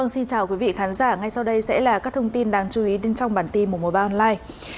xin chào quý vị khán giả ngay sau đây sẽ là các thông tin đáng chú ý đến trong bản tin một trăm một mươi ba online